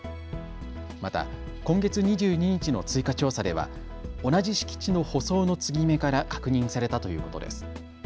また今月２２日の追加調査では同じ敷地の舗装の継ぎ目から確認されたということです。